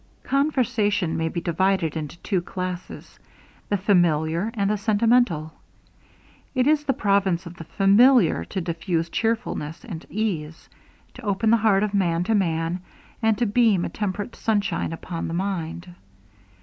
Conversation may be divided into two classes the familiar and the sentimental. It is the province of the familiar, to diffuse cheerfulness and ease to open the heart of man to man, and to beam a temperate sunshine upon the mind.